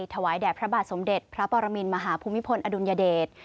ถวายแด่พระบาทสมเด็จพระปรมินมหาภูมิพลอดุลยเดช